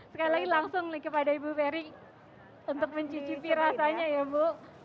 sekali lagi langsung nih kepada ibu ferry untuk mencicipi rasanya ya bu